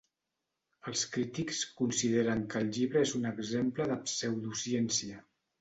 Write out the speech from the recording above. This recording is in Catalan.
Els crítics consideren que el llibre és un exemple de pseudociència.